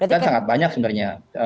dan sangat banyak sebenarnya